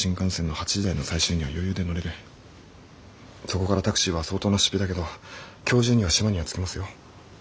そこからタクシーは相当な出費だけど今日中には島には着きますよ。